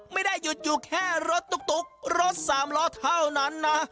ไม่ได้หยุดอยู่แค่รถตุ๊กรถสามล้อเท่านั้นนะ